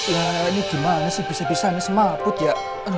lah ini gimana sih bisa bisa mas mabud ya